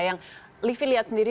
yang livi lihat sendiri